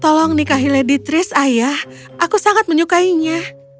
tolong nikahi lady tris ayah aku sangat menyukainya